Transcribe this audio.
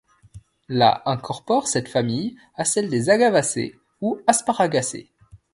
La incorpore cette famille à celle des Agavacées ou Asparagacées.